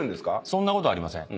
そんなことありません。